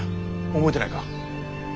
覚えてないか？